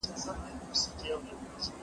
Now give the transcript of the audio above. او تر منځ يې فاصله سته.